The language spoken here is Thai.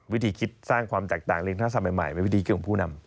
วิธีคิดสร้างความแตกต่างเรียนทะสมัยใหม่เป็นวิธีคิดของผู้นำ